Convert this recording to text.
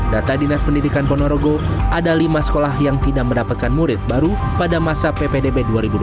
data dinas pendidikan ponorogo ada lima sekolah yang tidak mendapatkan murid baru pada masa ppdb dua ribu dua puluh